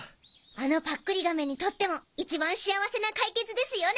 あのパックリ亀にとっても一番幸せな解決ですよね！